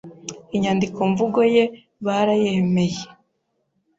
Inyandiko mvugo.ye barayemeye